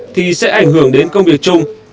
thì sẽ ảnh hưởng đến công việc chung